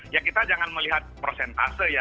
ya kita jangan melihat prosentase ya